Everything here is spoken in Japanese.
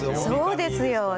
そうですよね。